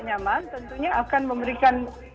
nyaman tentunya akan memberikan